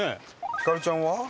ひかるちゃんは？